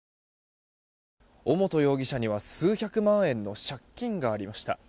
尾本容疑者には数百万円の借金がありました。